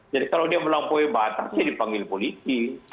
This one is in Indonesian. jadi kalau dia melampaui batas dia dipanggil polisi